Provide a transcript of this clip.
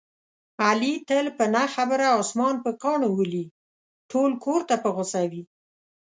علي تل په نه خبره اسمان په کاڼو ولي، ټول کورته په غوسه وي.